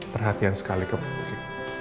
perhatian sekali ke putri